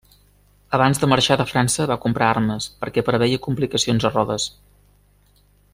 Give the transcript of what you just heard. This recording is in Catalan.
Abans de marxar de França va comprar armes perquè preveia complicacions a Rodes.